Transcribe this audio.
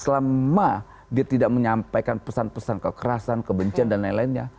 selama dia tidak menyampaikan pesan pesan kekerasan kebencian dan lain lainnya